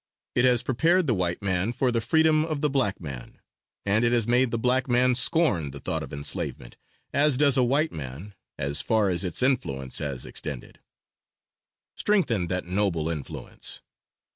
It has prepared the white man for the freedom of the black man, and it has made the black man scorn the thought of enslavement, as does a white man, as far as its influence has extended. Strengthen that noble influence!